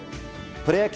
プロ野球